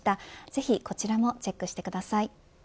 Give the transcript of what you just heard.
ぜひこちらもチェックしてください。